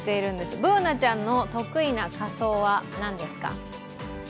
Ｂｏｏｎａちゃんの得意な仮装は何ですか？